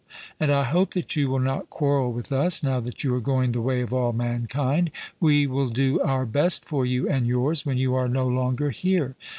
And I hope that you will not quarrel with us, now that you are going the way of all mankind; we will do our best for you and yours when you are no longer here.